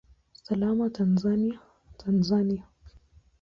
Salama Tanzania, Tanzania!